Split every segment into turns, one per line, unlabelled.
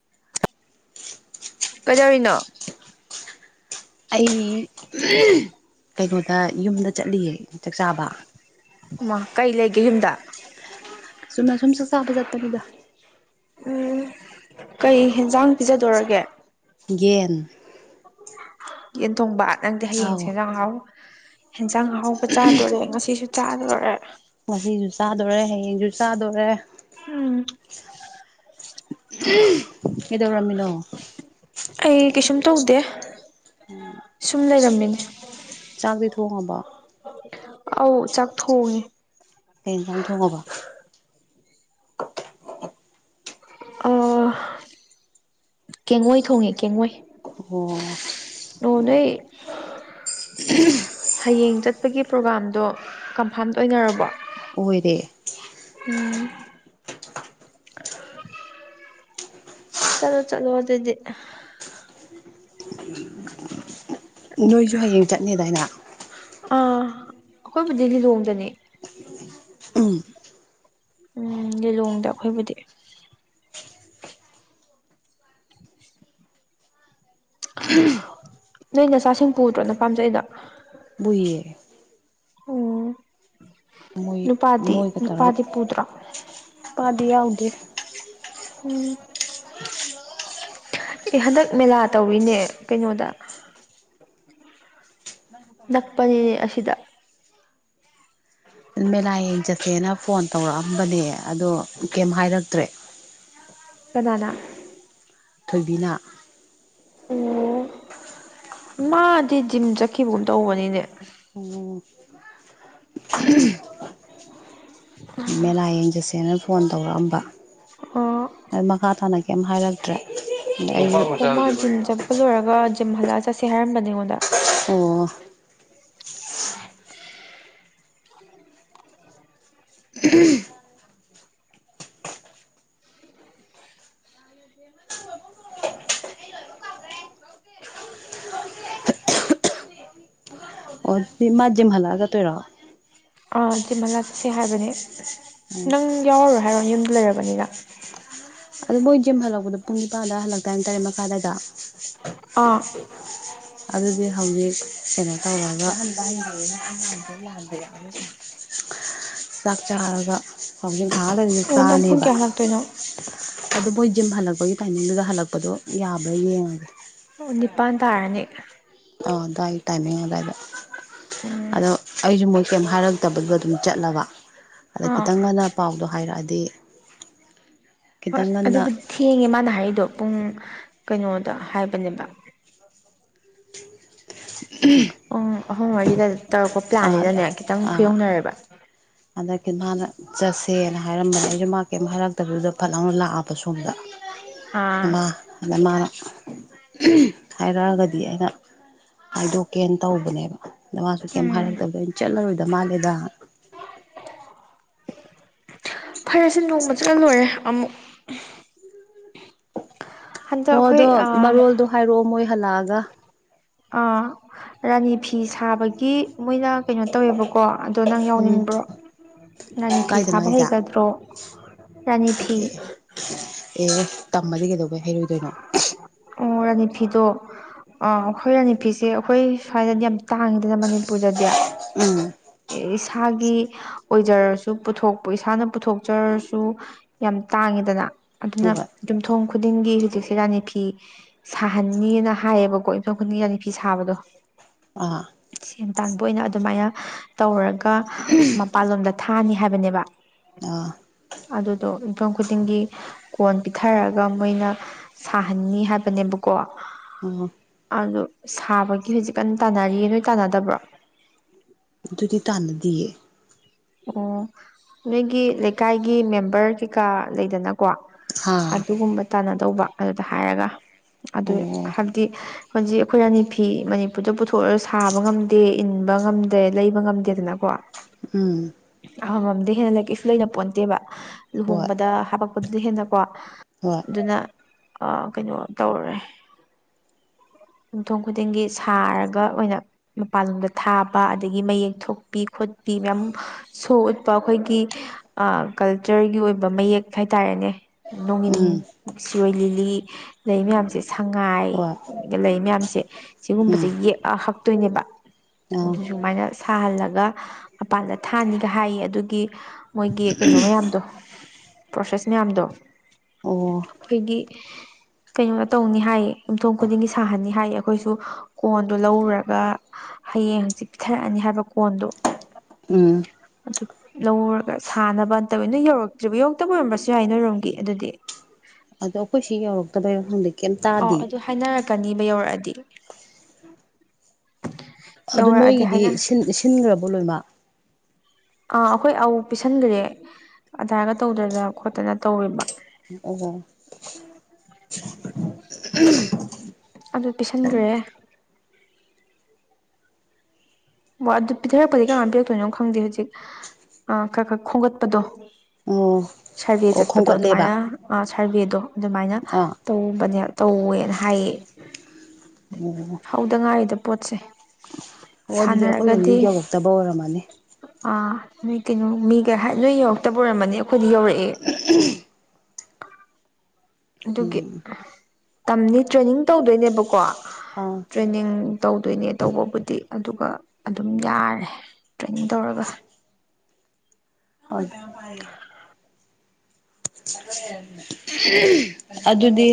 [inaudible]
ꯀꯗꯧꯔꯤꯅꯣ
ꯑꯩ ꯀꯩꯅꯣꯗ ꯌꯨꯝꯗ ꯆꯠꯂꯤꯌꯦ ꯆꯥꯛꯆꯥꯥꯕ
ꯎꯃ ꯀꯩ ꯂꯩꯒꯦ ꯌꯨꯝꯗ
ꯁꯨꯝꯅ ꯁꯨꯝ ꯁꯛ ꯆꯥꯕ ꯆꯠꯄꯅꯤꯗ
ꯎꯝ ꯀꯩ ꯍꯦꯟꯖꯥꯡ ꯄꯤꯖꯗꯧꯔꯒꯦ
ꯌꯦꯟ
ꯌꯦꯟ ꯊꯣꯡꯕ ꯅꯪꯗꯤ
ꯑꯥꯎ
ꯍꯌꯦꯡꯁꯦꯟꯖꯥꯡꯍꯥꯎ ꯍꯦꯟꯖꯥꯡ ꯑꯍꯥꯎꯕ ꯆꯥꯗꯣꯔꯦ ꯉꯁꯤꯁꯨ ꯆꯥꯗꯣꯔꯦ
ꯉꯁꯤꯁꯨ ꯆꯥꯗꯣꯔꯦ ꯍꯌꯦꯡꯁꯨ ꯆꯥꯗꯣꯔꯦ
ꯎꯝ
ꯎꯝ ꯀꯩꯗꯧꯔꯝꯃꯤꯅꯣ
ꯑꯩ ꯀꯩꯁꯨꯝ ꯇꯧꯗꯦ ꯁꯨꯝ ꯂꯩꯔꯝꯃꯤꯅꯦ
ꯆꯥꯛꯇꯤ ꯊꯣꯡꯉꯥꯕꯣ
ꯑꯧ ꯆꯥꯛ ꯊꯣꯡꯉꯦ
ꯀꯩ ꯌꯦꯟꯁꯥꯡ ꯊꯣꯡꯉꯕ
ꯑ ꯀꯦꯡꯉꯣꯏ ꯊꯣꯡꯉꯦ ꯀꯦꯡꯉꯣꯏ
ꯑꯣ
ꯂꯣꯅꯦ ꯍꯌꯦꯡ ꯆꯠꯄꯒꯤ ꯄ꯭ꯔꯣꯒꯥꯝꯗꯣ ꯀꯟꯐꯥꯝ ꯑꯣꯏꯅꯔꯕꯣ
ꯑꯣꯏꯗ
ꯎꯝ ꯆꯂꯣ ꯆꯂꯣ ꯑꯗꯨꯗꯤ
ꯎ ꯅꯣꯏꯁꯨ ꯍꯌꯦꯡ ꯆꯠꯅꯦꯗꯥꯏꯅ
ꯑ ꯑꯩꯈꯣꯏꯕꯨꯗꯤ ꯂꯤꯂꯣꯡꯗꯅꯦ
ꯎꯝ
ꯎꯝ ꯂꯤꯂꯣꯡꯗ ꯑꯩꯈꯣꯏꯕꯨꯗꯤ [unintelligible] ꯅꯣꯏ ꯅꯆꯥꯁꯤꯡ ꯄꯨꯗ꯭ꯔꯣ ꯅꯄꯥꯝ ꯆꯠꯂꯤꯗꯣ
ꯄꯨꯏꯌꯦ
ꯎꯝ
ꯃꯣꯏ
ꯅꯨꯄꯥꯗꯤ
ꯃꯣꯏꯒ ꯇꯧꯔꯒ
ꯅꯨꯄꯥꯗꯤ ꯄꯨꯗ꯭ꯔꯣ
ꯄꯥꯗꯤ ꯌꯥꯎꯗꯦ
ꯎꯝ ꯑꯦ ꯍꯟꯗꯛ ꯃꯦꯂꯥ ꯇꯧꯋꯤꯅꯦ ꯀꯩꯅꯣꯗ ꯅꯛꯄꯅꯤꯅꯦ ꯑꯁꯤꯗ
ꯃꯦꯂꯥ ꯌꯦꯡꯆꯠꯁꯦꯅ ꯐꯣꯟ ꯇꯧꯔꯛꯑꯝꯕꯅꯦ ꯑꯗꯣ ꯀꯦꯝ ꯍꯥꯏꯔꯛꯇ꯭ꯔꯦ
ꯀꯅꯥꯅ
ꯊꯣꯏꯕꯤꯅ
ꯑꯣ ꯃꯥꯗꯤ ꯖꯤꯝ ꯆꯠꯈꯤꯕꯒꯨꯝ ꯇꯧꯕꯅꯤꯅꯦ
ꯑꯣ ꯃꯦꯂꯥ ꯌꯦꯡꯆꯠꯁꯦꯅ ꯐꯣꯟ ꯇꯧꯔꯛꯑꯝꯕ
ꯑꯣ
ꯑ ꯃꯈꯥ ꯇꯥꯅ ꯀꯦꯝ ꯍꯥꯏꯔꯛꯇ꯭ꯔꯦ
ꯑꯣ ꯃꯥ ꯖꯤꯝ ꯆꯠꯄ ꯂꯣꯏꯔꯒ ꯖꯤꯝ ꯍꯜꯂꯛꯑꯒ ꯆꯠ‍ꯁꯦ ꯍꯥꯏꯔꯝꯕꯅꯦ ꯑꯩꯉꯣꯟꯗ
ꯑꯣ ꯃꯥ ꯖꯤꯝ ꯍꯜꯂꯛꯑꯒ ꯆꯠꯇꯣꯏꯔꯣ
ꯖꯤꯝ ꯍꯥꯂꯛ ꯆꯠꯁꯦ ꯍꯥꯏꯕꯅꯦ
ꯎꯝ
ꯅꯪ ꯌꯥꯎꯔꯔꯣꯏ ꯍꯥꯏꯔꯣ ꯌꯨꯝꯗ ꯂꯩꯔꯕꯅꯤꯅ
ꯑꯗꯣ ꯃꯣꯏ ꯖꯤꯝ ꯍꯜꯂꯛꯄꯗꯣ ꯄꯨꯡ ꯅꯤꯄꯥꯟꯗ ꯍꯜꯂꯛꯇꯥꯏꯅꯦ ꯇꯔꯦꯠ ꯃꯈꯥꯗ ꯑꯗꯥꯏꯗ
ꯑꯥ
ꯑꯗꯨꯗꯤ ꯍꯧꯖꯤꯛ ꯀꯩꯅꯣ ꯇꯧꯔꯒ
[inaudible]
ꯆꯥꯛ ꯆꯥꯔꯒ ꯍꯧꯖꯤꯛ ꯉꯥꯏꯍꯥꯛ ꯂꯩꯔꯥꯗꯤ ꯆꯥꯔꯅꯤꯕ
ꯀꯩꯅꯣ
ꯑꯗꯨ ꯃꯣꯏ ꯖꯤꯝ ꯍꯜꯂꯛꯄꯒꯤ ꯇꯥꯏꯃꯤꯡꯗꯨꯗ ꯍꯜꯂꯛꯄꯗꯣ ꯌꯥꯕ꯭ꯔꯥ ꯌꯦꯡꯉꯒꯦ
ꯑꯣ ꯅꯤꯄꯥꯟ ꯇꯥꯔꯅꯤ
ꯑꯣ ꯑꯗꯨꯋꯥꯏꯒꯤ ꯇꯥꯏꯃꯤꯡ ꯑꯗꯨꯋꯥꯏꯗ
ꯎꯝ
ꯑꯗꯣ ꯑꯩꯁꯨ ꯃꯣꯏ ꯀꯦꯝ ꯍꯥꯏꯔꯝ ꯆꯠꯇꯕꯥꯗꯣ ꯑꯗꯨꯝ ꯆꯠꯂꯕ ꯑꯗ
ꯑꯥ
ꯈꯤꯇꯪ ꯉꯟꯅ ꯄꯥꯎꯗꯣ ꯍꯥꯏꯔꯛꯑꯗꯤ
ꯍꯣꯏ
ꯈꯤꯇꯪ ꯉꯟꯅ
ꯑꯗꯨꯕꯨꯗꯤ ꯊꯦꯡꯉꯦ ꯃꯥꯅ ꯍꯥꯏꯔꯛꯏꯗꯣ ꯄꯨꯡ ꯀꯩꯅꯣꯗ ꯍꯥꯏꯕꯅꯦꯕ
ꯎꯝ
ꯄꯨꯡ ꯑꯍꯨꯝ ꯃꯔꯤꯗ ꯇꯧꯔꯛꯄ
ꯑꯥ
ꯄ꯭ꯂꯥꯟꯅꯤꯅꯅꯦ ꯈꯤꯇꯪ ꯈꯨꯌꯧꯅꯔꯦꯕ
ꯍꯟꯗꯛꯇꯤ ꯃꯥꯅ ꯆꯠꯁꯦꯅ ꯍꯥꯏꯔꯝꯕꯅꯦ ꯑꯩꯁꯨ ꯃꯥ ꯀꯩꯑꯃꯇꯥ ꯍꯥꯏꯔꯛꯇꯕꯗꯨꯗ ꯐꯠ ꯂꯥꯎꯅ ꯂꯥꯛꯑꯕ ꯁꯣꯝꯗ ꯑ
ꯑꯥ
ꯑꯗꯨꯗ ꯃꯥꯅ ꯍꯥꯏꯔꯛꯑꯒꯗꯤ ꯑꯩꯅ ꯍꯥꯏꯗꯣꯛꯀꯦꯅ ꯇꯧꯕꯅꯦ ꯗ ꯃꯁꯨ ꯀꯦꯝ
ꯎꯝ
ꯍꯥꯏꯔꯛꯇꯗ ꯑꯩꯅ ꯆꯠꯂꯔꯣꯏꯗ ꯃꯥꯜꯂꯦꯗ
ꯐꯔꯦꯁꯦ ꯅꯣꯡꯃ ꯆꯠꯂꯥ ꯂꯣꯏꯔꯦ ꯑꯃꯨꯛ
ꯍꯣ
ꯍꯟꯗꯛ ꯑꯩꯈꯣꯏ
ꯑꯗꯣ
ꯑꯥ
ꯃꯔꯣꯜꯗꯣ ꯍꯥꯏꯔꯛꯑꯣ ꯃꯣꯏ ꯍꯜꯂꯛꯑꯒ
ꯑꯥ ꯔꯥꯅꯤ ꯐꯤ ꯁꯥꯕꯒꯤ ꯃꯣꯏꯅ ꯀꯩꯅꯣ ꯇꯧꯋꯦꯕꯀꯣ ꯑꯗꯣ ꯅꯪ
ꯎꯝ
ꯌꯥꯎꯅꯤꯡꯕ꯭ꯔꯣ ꯔꯥꯅꯤ ꯐꯤ
ꯀꯥꯏꯗꯅꯣ
ꯁꯥꯕ
ꯍꯥꯏꯁꯦ ꯑꯦ
ꯍꯩꯒꯗ꯭ꯔꯣ ꯔꯥꯅꯤ ꯐꯤ
ꯑꯦ ꯇꯝꯃꯗꯤ ꯀꯩꯗꯧꯕꯩ ꯍꯩꯔꯣꯏꯗꯣꯏꯅꯣ
ꯑꯣ ꯔꯥꯅꯤ ꯐꯤꯗꯣ ꯑꯩꯈꯣꯏ ꯔꯥꯅꯤ ꯐꯤꯁꯦ ꯑꯩꯈꯣꯏ ꯁ꯭ꯋꯥꯏꯗꯗꯤ ꯇꯥꯡꯉꯤꯗꯅ ꯃꯅꯤꯄꯨꯔꯗꯗꯤ
ꯎꯝ
ꯏꯁꯥꯒꯤ ꯑꯣꯏꯖꯔꯁꯨ ꯄꯨꯊꯣꯛꯄ ꯏꯁꯥꯅ ꯄꯨꯊꯣꯛꯆꯔꯁꯨ ꯌꯥꯝ ꯇꯥꯡꯉꯤꯗꯅ ꯑꯗꯨꯅ
ꯍꯣꯏ ꯍꯣꯏ
ꯌꯨꯝꯊꯣꯡ ꯈꯨꯗꯤꯡꯒꯤ ꯍꯧꯖꯤꯛꯁꯦ ꯔꯥꯅꯤ ꯐꯤ ꯁꯥꯍꯟꯅꯤꯅ ꯍꯥꯏꯌꯦꯕꯀꯣ ꯌꯨꯝꯊꯨꯡ ꯈꯨꯗꯤꯡ ꯔꯥꯅꯤꯐꯤ ꯁꯥꯕꯗꯣ
ꯑꯥ
ꯁꯦꯟ ꯇꯥꯟꯕ ꯑꯣꯏꯅ ꯑꯗꯨꯃꯥꯏꯅ ꯇꯧꯔꯒ ꯃꯄꯥꯟꯂꯣꯝꯗ ꯊꯥꯅꯤ ꯍꯥꯏꯕꯅꯦꯕ
ꯑꯥ
ꯑꯗꯨꯗꯣ ꯌꯨꯝꯊꯣꯡ ꯈꯨꯗꯤꯡꯒꯤ ꯀꯣꯟ ꯄꯤꯊꯔꯛꯑꯒ ꯃꯣꯏꯅ ꯁꯥꯍꯟꯅꯤ ꯍꯥꯏꯕꯅꯦꯕꯀꯣ
ꯑꯥ
ꯑꯗꯨꯗ ꯁꯥꯕꯒꯤ ꯍꯧꯖꯤꯛ ꯀꯟꯅ ꯇꯥꯟꯅꯔꯤꯌꯦ ꯅꯣꯏ ꯇꯥꯟꯅꯗꯕ꯭ꯔꯣ
ꯑꯗꯨꯗꯨꯗꯤ ꯇꯅꯤꯡꯗꯤꯌꯦ
ꯑꯣ ꯅꯣꯏꯒꯤ ꯂꯩꯀꯥꯏꯒꯤ ꯃꯦꯝꯕꯔ ꯀꯩꯀꯥ ꯂꯩꯗꯅꯀꯣ
ꯑꯥ ꯑꯣ
ꯑꯗꯨꯒꯨꯝꯕ ꯇꯥꯟꯅꯗꯧꯕ ꯑꯗꯨꯗ ꯍꯥꯏꯔꯒ ꯑꯗꯨ ꯍꯥꯏꯕꯗꯤ ꯍꯧꯖꯤꯛ ꯑꯩꯈꯣꯏ ꯔꯅꯤ ꯐꯤ ꯃꯅꯤꯄꯨꯔꯗ ꯄꯨꯊꯣꯛꯑꯒ ꯁꯥꯕ ꯉꯝꯗꯦ ꯏꯟꯕ ꯉꯝꯗꯦ ꯂꯩꯕ ꯉꯝꯗꯦꯗꯅꯀꯣ
ꯎꯝ
ꯑꯃꯥꯉꯝꯗꯩ ꯍꯦꯟꯅ ꯂꯩ ꯀꯩꯁꯨ ꯂꯩꯅ ꯄꯣꯟꯇꯦꯕ
ꯍꯣꯏ
ꯂꯨꯍꯣꯡꯕꯗ ꯍꯥꯄꯛꯄꯗꯨꯗꯤ ꯍꯦꯟꯅꯀꯣ
ꯍꯣꯏ
ꯑꯗꯨꯅ ꯀꯩꯅꯣ ꯇꯧꯔꯨꯔꯦ ꯌꯨꯝꯊꯣꯡ ꯈꯨꯗꯤꯡꯒꯤ ꯁꯥꯔꯒ ꯑꯣꯏꯅ ꯃꯄꯥꯟꯂꯣꯝꯗ ꯊꯥꯕ ꯑꯗꯒꯤ ꯃꯌꯦꯛ ꯊꯣꯛꯄꯤ ꯈꯣꯠꯄꯤ ꯃꯌꯥꯝ ꯁꯣ ꯎꯠꯄ ꯑꯩꯈꯣꯏꯒꯤ ꯀꯜꯆꯔꯒꯤ ꯑꯣꯏꯕ ꯃꯌꯦꯛ ꯍꯥꯏꯇꯥꯔꯦꯅꯦ
ꯎꯝ
ꯅꯣꯡꯏꯟ ꯁꯤꯔꯣꯏ ꯂꯤꯂꯤ ꯂꯩ ꯃꯌꯥꯝꯁꯦ ꯁꯉꯥꯏ
ꯍꯣꯏ
ꯂꯩ ꯃꯌꯥꯝꯁꯦ
ꯎꯝ
ꯁꯤꯒꯨꯝꯕꯁꯦ ꯌꯦꯛ ꯍꯛꯇꯣꯏꯅꯦꯕ
ꯑꯥ
ꯑꯗꯨ ꯁꯨꯃꯥꯏꯅ ꯁꯥꯍꯜꯂꯒ ꯃꯄꯥꯥꯟꯗ ꯊꯥꯅꯤꯒ ꯍꯥꯏꯌꯦ ꯑꯗꯨꯒꯤ ꯃꯣꯏꯒꯤ ꯀꯩꯅꯣ ꯃꯌꯥꯝꯗꯣ ꯄ꯭ꯔꯣꯁꯦꯁ ꯃꯌꯥꯝꯗꯣ
ꯑꯣ
ꯑꯩꯈꯣꯏꯒꯤ ꯀꯩꯅꯣꯅ ꯇꯧꯅꯤ ꯍꯥꯏ ꯌꯨꯝꯊꯣꯡ ꯈꯨꯗꯤꯡꯒꯤ ꯁꯥꯍꯟꯅꯤ ꯍꯥꯏ ꯑꯩꯈꯣꯏꯁꯨ ꯀꯣꯟꯗꯨꯣ ꯂꯧꯔꯨꯔꯒ ꯍꯌꯦꯡ ꯍꯪꯆꯤꯠ ꯄꯤꯊꯔꯛꯑꯅꯤ ꯍꯥꯏꯕ ꯀꯣꯟꯗꯣ
ꯎꯝ
ꯑꯗꯨ ꯂꯧꯔꯒ ꯁꯥꯟꯅꯕ ꯅꯠꯇꯕ ꯅꯣꯏ ꯌꯧꯔꯛꯇ꯭ꯔꯤꯕ ꯌꯧꯔꯛꯇꯕ ꯑꯣꯏꯔꯝꯕꯁꯨ ꯌꯥꯏ ꯅꯣꯏꯔꯣꯝꯒꯤ ꯑꯗꯨꯗꯤ
ꯑꯗꯣ ꯑꯩꯈꯣꯏ ꯁꯤ ꯌꯧꯔꯛꯇꯕ ꯍꯪꯗꯛ
ꯑꯣ ꯑꯗꯨ ꯍꯥꯏꯅꯔꯛꯀꯅꯤꯕ ꯌꯧꯔꯛꯑꯗꯤ
ꯑꯗꯨ
ꯌꯧꯔꯛꯑꯗꯤ
ꯅꯣꯏꯒꯤꯗꯤ
ꯍꯥꯏꯅ
ꯁꯤꯟꯈ꯭ꯔꯕꯣ ꯂꯣꯏꯃ
ꯑꯥ ꯑꯩꯈꯣꯏ ꯑ ꯄꯤꯁꯟꯈ꯭ꯔꯦ ꯑꯗꯨꯗꯥꯏꯒ ꯇꯧꯗꯗꯅ ꯈꯣꯠꯇꯅ ꯇꯧꯋꯦꯕ
ꯑꯣ
ꯑꯗꯨ ꯄꯤꯁꯟꯈ꯭ꯔꯦ ꯑꯣ ꯑꯗꯨ ꯄꯤꯊꯔꯛꯄꯗꯤ ꯀꯅꯥꯅ ꯄꯤꯔꯛꯇꯣꯏꯅꯣ ꯈꯪꯗꯦ ꯍꯧꯖꯤꯛ ꯑ ꯈꯔꯥ ꯈꯔꯥ ꯈꯣꯝꯒꯠꯄꯗꯣ
ꯑꯣ
ꯁꯔꯚꯦ
ꯑꯣ
ꯆꯠꯄꯗꯣ
ꯈꯣꯝꯀꯠꯂꯦꯕ
ꯑꯗꯨꯃꯥꯏꯅ ꯁꯔꯚꯦꯗꯣ ꯑꯗꯨꯃꯥꯏꯅ
ꯑꯥ
ꯇꯧꯕꯅꯦ ꯇꯧꯋꯦꯅ ꯍꯥꯏꯌꯦ
[inaudible]
ꯍꯧꯗ ꯉꯥꯏꯔꯤꯗ ꯄꯣꯠꯁꯦ
ꯑꯣ ꯑꯗꯨꯗꯤ ꯑꯩꯈꯣꯏꯔꯣꯝꯗꯤ ꯌꯧꯔꯛꯇꯕ ꯑꯣꯏꯔꯝꯃꯅꯤ
ꯑꯥ ꯅꯣꯏ ꯀꯩꯅꯣ ꯃꯤꯒꯩ ꯍꯥꯏ ꯅꯣꯏ ꯌꯧꯔꯛꯇꯕ ꯑꯣꯏꯔꯝꯃꯅꯤ ꯑꯩꯈꯣꯏꯗ ꯌꯧꯔꯛꯑꯦ ꯑꯗꯨꯒꯤ ꯇꯝꯅꯤ ꯇ꯭ꯔꯦꯅꯤꯡ ꯇꯧꯗꯣꯏꯅꯦꯕꯀꯣ
ꯑꯥ
ꯇ꯭ꯔꯦꯅꯤꯡ ꯇꯧꯗꯣꯏꯅꯦ ꯇꯧꯕꯕꯨꯗꯤ ꯑꯗꯨꯒ ꯑꯗꯨꯝ ꯌꯥꯔꯦ ꯇ꯭ꯔꯦꯅꯤꯡ ꯇꯧꯔꯒ
ꯍ ꯇ ꯄꯔꯦ ꯑꯗꯨꯗꯤ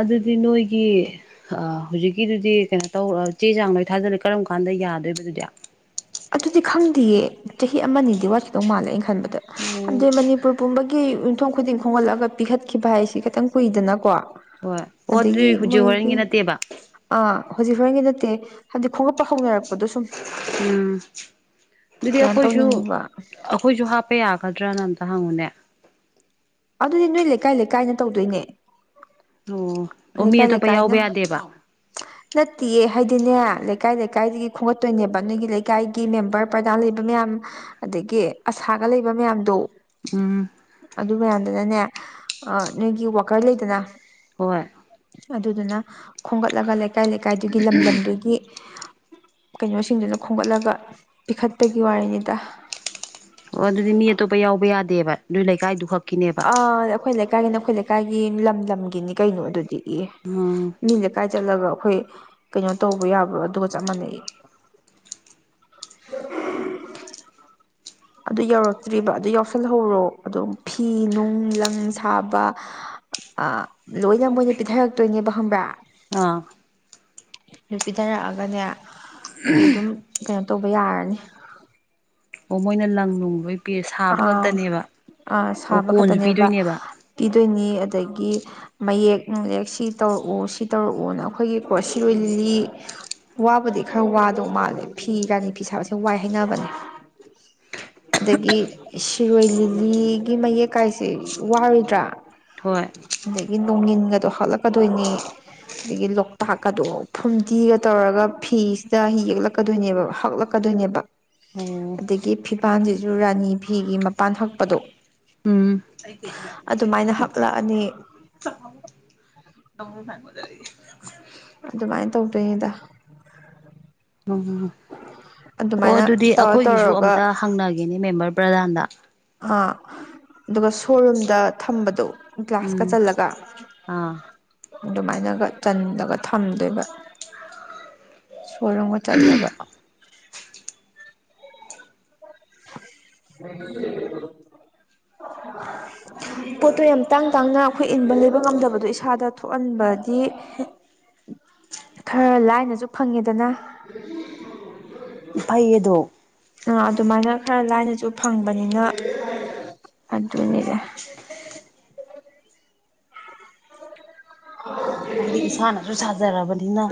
ꯑꯗꯨꯗꯤ ꯅꯣꯏꯒꯤ ꯍꯧꯖꯤꯛꯀꯤꯗꯨꯗꯤ ꯀꯩꯅꯣ ꯇꯧꯔ ꯆꯦ ꯆꯥꯡ ꯂꯣꯏ ꯊꯥꯖꯜꯂꯦ ꯀꯔꯝ ꯀꯥꯟꯗ ꯌꯥꯗꯣꯏꯕꯗꯨꯗꯤ
ꯑꯗꯨꯗꯤ ꯈꯪꯗꯦꯌꯦ ꯆꯍꯤ ꯑꯃꯅꯤꯗꯤ ꯋꯥꯠꯈꯤꯇꯧ ꯃꯥꯜꯂꯦ ꯑꯩꯅ ꯈꯟꯕꯗ
ꯎꯝ
ꯍꯥꯏꯕꯗꯤ ꯃꯅꯤꯄꯨꯔ ꯄꯨꯝꯕꯒꯤ ꯌꯨꯝꯊꯣꯡ ꯈꯨꯗꯤꯡ ꯈꯣꯝꯒꯠꯂꯒ ꯄꯤꯈꯠꯈꯤꯕ ꯍꯥꯏꯁꯤ ꯈꯤꯇꯪ ꯀꯨꯏꯗꯅꯀꯣ
ꯍꯣꯏ ꯑꯣ ꯑꯗꯨꯗꯤ
ꯑꯗꯒꯤ
ꯍꯧꯖꯤꯛ
ꯃꯣꯏꯒꯤ
ꯍꯣꯔꯦꯟꯒꯤ ꯅꯠꯇꯦꯕ
ꯑꯥ ꯍꯧꯖꯤꯛ ꯍꯣꯔꯦꯟꯒꯤ ꯅꯠꯇꯦ ꯍꯥꯏꯗꯤ ꯈꯣꯡꯂꯞꯄ ꯍꯧꯅꯔꯛꯄꯗꯣ ꯁꯨꯝ
ꯎꯝ ꯑꯗꯨꯗꯤ
ꯀꯩꯅꯣ
ꯑꯩꯈꯣꯏꯁꯨ
ꯇꯧꯅꯤꯡꯕ
ꯑꯩꯈꯣꯏꯁꯨ ꯍꯥꯞꯄ ꯌꯥꯒꯗ꯭ꯔꯅ ꯑꯝꯇ ꯍꯪꯉꯨꯅꯦ
ꯑꯗꯨꯗꯤ ꯅꯣꯏ ꯂꯩꯀꯥꯏ ꯂꯩꯀꯥꯏꯅ ꯇꯧꯗꯣꯏꯅꯦ
ꯑꯣ ꯑꯣ ꯃꯤ ꯑꯇꯣꯞꯄ ꯌꯥꯎꯕ ꯌꯥꯗꯦꯕ
[inaudible] ꯅꯠꯇꯦꯌꯦ ꯍꯥꯏꯗꯤꯅꯦ ꯂꯩꯀꯥꯏ ꯂꯩꯀꯥꯏꯗꯒꯤ ꯈꯣꯡꯒꯠꯇꯣꯏꯅꯦꯕ ꯅꯣꯏꯒꯤ ꯂꯩꯀꯥꯏꯒꯤ ꯃꯦꯝꯕꯔ ꯄ꯭ꯔꯗꯥꯟ ꯂꯩꯕ ꯃꯌꯥꯝ ꯑꯗꯒꯤ ꯑꯁꯥꯒ ꯂꯩꯕ ꯃꯌꯥꯝꯗꯣ
ꯎꯝ
ꯑꯗꯨ ꯃꯌꯥꯝꯗꯨꯅꯅꯦ ꯅꯣꯏꯒꯤ ꯋꯥꯀꯔ ꯂꯩꯗꯅ
ꯍꯣꯏ
ꯑꯗꯨꯗꯨꯅ ꯈꯣꯝꯒꯠꯂꯒ ꯂꯩꯀꯥꯏ ꯂꯩꯀꯥꯏꯗꯨꯒꯤ ꯂꯝ ꯂꯝꯗꯨꯒꯤ ꯀꯩꯅꯣꯁꯤꯡꯗꯨꯅ ꯈꯣꯝꯒꯠꯂꯒ ꯄꯤꯈꯠꯄꯒꯤ ꯋꯥꯔꯤꯅꯤꯗ
ꯑꯣ ꯑꯗꯨꯗꯤ ꯃꯤ ꯑꯇꯣꯞꯄ ꯌꯥꯎꯕ ꯌꯥꯗꯦꯕ ꯑꯗꯨꯏ ꯂꯩꯀꯥꯏꯗꯨ ꯈꯛ
ꯑ ꯑꯩꯈꯣꯏ ꯂꯩꯀꯥꯏꯒꯤꯅꯤ ꯑꯩꯈꯣꯏ ꯂꯩꯀꯥꯏꯒꯤ ꯂꯝ ꯂꯝꯒꯤꯅꯤ ꯀꯩꯅꯣ ꯑꯗꯨꯗꯤ ꯏ
ꯎꯝ
ꯃꯤ ꯂꯩꯀꯥꯏ ꯆꯠꯂꯒ ꯑꯩꯈꯣꯏ ꯀꯩꯅꯣ ꯇꯧꯕ ꯌꯥꯕ꯭ꯔ ꯑꯗꯨꯒ ꯆꯞ ꯃꯥꯟꯅꯩ ꯑꯗꯨ ꯌꯧꯔꯛꯇ꯭ꯔꯤꯕ ꯑꯗꯨ ꯌꯥꯎꯁꯜꯍꯧꯔꯣ ꯑꯗꯨꯝ ꯐꯤ ꯅꯨꯡ ꯂꯪ ꯁꯥꯕ ꯑ ꯂꯣꯏꯅ ꯃꯣꯏꯅ ꯄꯤꯊꯔꯛꯇꯣꯏꯅꯦꯕ ꯍꯪꯕ꯭ꯔꯥ
ꯑꯥ
ꯑꯗꯨ ꯄꯤꯊꯔꯛꯑꯒꯅꯦ ꯑꯗꯨꯝ ꯀꯩꯅꯣ ꯇꯧꯕ ꯌꯥꯔꯅꯤ
ꯑꯣ ꯃꯣꯏꯅ ꯂꯪ ꯅꯨꯡꯕꯩ ꯄꯤꯔꯦ ꯁꯥꯕ
ꯑꯥ
ꯈꯛꯇꯅꯦꯕ
ꯑꯥ
ꯑꯣ
ꯁꯥꯕ
ꯀꯣꯟꯁꯨ
ꯈꯛꯇꯅꯦꯕ
ꯄꯤꯗꯣꯏꯅꯦꯕ
ꯄꯤꯗꯣꯏꯅꯤ ꯑꯗꯒꯤ ꯃꯌꯦꯛ ꯅꯨꯡꯂꯦꯛ ꯁꯤ ꯇꯧꯔꯛꯎ ꯁꯤ ꯇꯧꯔꯛꯎꯅ ꯑꯩꯈꯣꯏꯒꯤꯀꯣ ꯁꯤꯔꯣꯏ ꯂꯤꯂꯤ ꯋꯥꯕꯨꯗꯤ ꯈꯔ ꯋꯥꯗꯧ ꯃꯥꯜꯂꯦ ꯐꯤ ꯔꯥꯅꯤ ꯐꯤ ꯁꯥꯕꯁꯦ ꯋꯥꯏ ꯍꯥꯏꯅꯕꯅꯦ ꯑꯗꯒꯤ ꯁꯤꯔꯣꯏ ꯂꯤꯂꯤꯒꯤ ꯃꯌꯦꯛ ꯀꯥꯏꯁꯦ ꯋꯥꯔꯣꯏꯗ꯭ꯔꯥ
ꯍꯣꯏ
ꯑꯗꯒꯤ ꯅꯣꯡꯒꯤꯟꯒꯗꯣ ꯍꯥꯠꯂꯛꯀꯗꯣꯏꯅꯤ ꯑꯗꯒꯤ ꯂꯣꯛꯇꯥꯛꯀꯗꯣ ꯐꯨꯝꯗꯤꯒ ꯇꯧꯔꯒ ꯐꯤꯁꯤꯗ ꯌꯦꯛꯂꯛꯀꯗꯣꯏꯅꯦꯕ ꯍꯛꯂꯛ ꯀꯗꯣꯏꯅꯦꯕ
ꯑꯣ
ꯑꯗꯒꯤ ꯐꯤꯕꯥꯥꯟꯖꯤꯖꯨ ꯔꯥꯅꯤ ꯐꯤꯒꯤ ꯃꯄꯥꯟ ꯍꯛꯄꯗꯣ
ꯎꯝ
ꯑꯗꯨꯃꯥꯏꯅ ꯍꯛꯂꯛꯑꯅꯤ
ꯁ [unintelligible] ꯁ ꯐꯒꯗꯔꯦ
ꯑꯗꯨꯃꯥꯏꯅ ꯇꯧꯗꯣꯏꯉꯗ
ꯎꯝ ꯑꯣ
ꯑꯗꯨꯃꯥꯏꯅ
ꯑꯗꯨꯗꯤ
ꯇꯧꯔ
ꯑꯩꯈꯣꯏꯒꯤꯁꯨ
ꯇꯧꯔꯒ
ꯑꯝꯇ ꯍꯪꯅꯒꯦꯅꯦ ꯃꯦꯝꯕꯔ ꯄ꯭ꯔꯗꯥꯟꯗ
ꯑ ꯑꯗꯨꯒ ꯁꯣꯣꯔꯨꯝꯗ ꯊꯝꯕꯗꯣ ꯒ꯭ꯂꯥꯁꯀ
ꯎꯝ
ꯆꯜꯂꯒ
ꯑꯥ
ꯑꯗꯨꯃꯥꯏꯅꯒ ꯆꯜꯂꯒ ꯊꯝꯗꯣꯏꯕ ꯁꯂꯣꯡꯕ ꯆꯜꯂꯒ ꯎꯝ ꯄꯣꯠꯇꯣ ꯌꯥꯝ ꯇꯥꯡ ꯇꯥꯡꯅ ꯑꯩꯈꯣꯏ ꯏꯟꯕ ꯂꯩꯕ ꯉꯝꯗꯕꯗꯣ ꯏꯁꯥꯗ ꯊꯣꯛꯍꯟꯕꯗꯤ ꯈꯔ ꯂꯥꯏꯅꯁꯨ ꯐꯪꯉꯦꯗꯅ
ꯐꯩꯌꯦꯗꯣ
ꯑ ꯑꯗꯨꯃꯥꯏꯅ ꯈꯔ ꯂꯥꯏꯅꯁꯨ ꯐꯪꯕꯅꯤꯅ ꯑꯗꯨꯅꯤꯗ
ꯑꯩꯗꯤ ꯏꯁꯥꯅꯁꯨ ꯁꯥꯖꯔꯕꯅꯤꯅ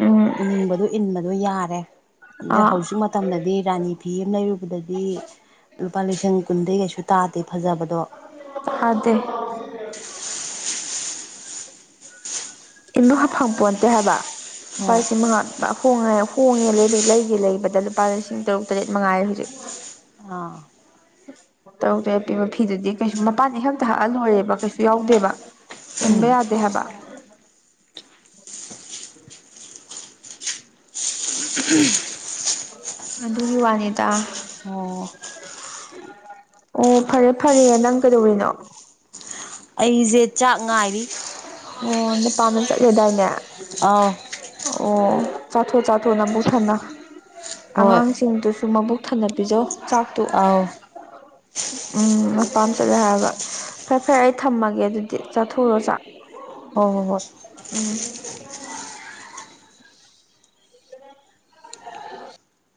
ꯎꯝ
ꯏꯅꯤꯡꯕꯗꯣ ꯏꯟꯕꯗꯣ ꯌꯥꯔꯦ ꯑꯗꯨ
ꯑꯥ
ꯍꯧꯖꯤꯛ ꯃꯇꯝꯗꯗꯤ ꯔꯥꯅꯤ ꯐꯤ ꯑꯃ ꯂꯩꯔꯨꯕꯗꯗꯤ ꯂꯨꯄꯥ ꯂꯤꯁꯤꯡ ꯀꯨꯟꯗꯩ ꯀꯩꯁꯨ ꯇꯥꯗꯦ ꯐꯖꯕꯗꯣ
ꯑꯗ [unintelligible] [inaudible] [unintelligible] ꯏꯟꯕ ꯐꯪꯄꯣꯟꯇꯦ ꯍꯥꯏꯕ ꯂꯨꯄꯥ ꯂꯤꯁꯤꯡ ꯃꯪꯉꯥ ꯉ ꯍꯣꯡꯉꯦ ꯍꫭꯡꯉꯦ ꯂꯩꯕꯩ ꯂꯩꯒꯦ ꯂꯩꯕꯗ ꯂꯨꯄꯥ ꯂꯤꯁꯤꯡ ꯇꯔꯨꯛ ꯇꯔꯦꯠ ꯃꯉꯥꯏꯔꯦ ꯍꯧꯖꯤꯛ
ꯑꯥ
ꯇꯔꯨꯛ ꯇꯔꯦꯠ ꯄꯤꯕ ꯐꯤꯗꯨꯗꯤ ꯀꯩꯁꯨ ꯃꯄꯥꯟ ꯏꯍꯛꯇ ꯍꯛꯑ ꯂꯣꯏꯔꯦꯕ ꯀꯩꯁꯨ ꯌꯥꯎꯗꯦꯕ ꯏꯟꯕ
ꯎꯝ
ꯌꯥꯗꯦ ꯍꯥꯏꯕ
ꯎꯝ
ꯑꯗꯨꯒꯤ ꯋꯥꯅꯤꯗ
ꯑꯥ
ꯑꯣ ꯐꯔꯦ ꯐꯔꯦ ꯅꯪ ꯀꯩꯗꯧꯔꯤꯅꯣ
ꯑꯩꯖꯦ ꯆꯥꯛ ꯉꯥꯏꯔꯤ
ꯑꯣ ꯅꯄꯥꯝꯗ ꯆꯠꯂꯦꯗꯥꯏꯅꯦ
ꯑꯧ
ꯑꯣ ꯆꯥꯊꯣꯛ ꯆꯥꯊꯣꯛꯑꫭ ꯅꯕꯨꯛ ꯊꯟꯅ
ꯍꯣꯏ
ꯑꯉꯥꯡꯁꯤꯡꯗꯨꯁꯨ ꯃꯕꯨꯛ ꯊꯟꯅꯕꯤꯖꯧ ꯆꯥꯛꯇꯨ
ꯑꯧ
ꯎꯝ ꯅꯄꯥꯝ ꯆꯠꯂꯦ ꯍꯥꯏꯒ ꯐꯔꯦ ꯐꯔꯦ ꯑꯩ ꯊꯝꯃꯒꯦ ꯑꯗꯨꯗꯤ ꯆꯥꯊꯣꯛꯔꫭ ꯆꯥꯛ
ꯍꯣꯏ ꯍꯣꯏ ꯍꯣꯏ
ꯎꯝ